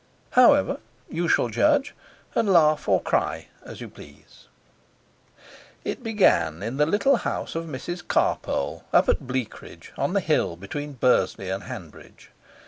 However, you shall judge, and laugh or cry as you please. It began in the little house of Mrs Carpole, up at Bleakridge, on the hill between Bursley and Hanbridge.